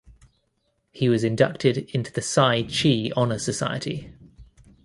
He was inducted into the Psi Chi honour society.